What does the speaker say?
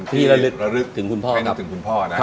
ที่ระลึกถึงคุณพ่อนะ